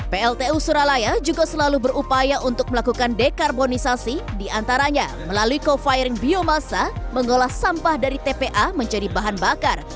pltu suralaya juga selalu berupaya untuk melakukan dekarbonisasi diantaranya melalui co firing biomasa mengolah sampah dari tpa menjadi bahan bakar